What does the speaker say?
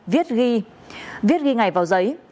viết ghi viết ghi ngày vào giấy